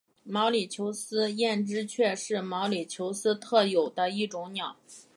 毛里求斯艳织雀是毛里求斯特有的一种鸟。